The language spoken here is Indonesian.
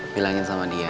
bilangin sama dia